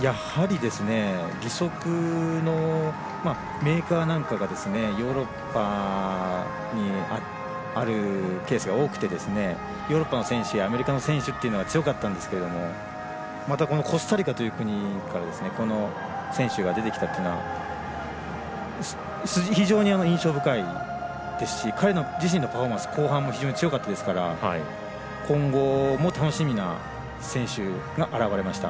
義足のメーカーなんかがヨーロッパにあるケースが多くてヨーロッパの選手やアメリカの選手というのが強かったんですけれどもコスタリカという国からこの選手が出てきたというのは非常に印象深いですし彼自身のパフォーマンス後半すごく強かったですから今後も楽しみな選手が現れました。